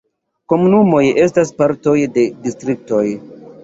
Komunumoj estas partoj de distriktoj.